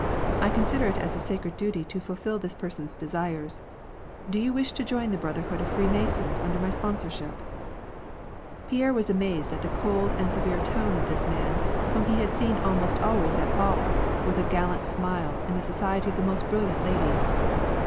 I consider it as a sacred duty to fulfil this person's desires. Do you wish to join the brotherhood of Freemasons under my sponsorship ?" Pierre was amazed at the cold and severe tone of this man, whom he had seen almost always at balls, with a gallant smile, in the society of the most brilliant ladies.